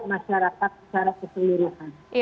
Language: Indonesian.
masyarakat secara keseluruhan